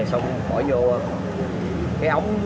xong bỏ vô cái ống